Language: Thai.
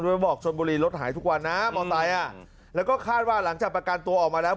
โดยบอกชนบุรีรถหายทุกวันนะมอไซค์อ่ะแล้วก็คาดว่าหลังจากประกันตัวออกมาแล้ว